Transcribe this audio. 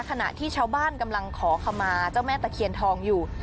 ขณะที่ชาวบ้านกำลังขอขมาเจ้าแม่ตะเคียนทองอยู่